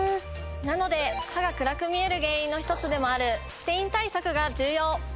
なので歯が暗く見える原因の１つでもあるステイン対策が重要！